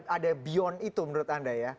ada beyond itu menurut anda ya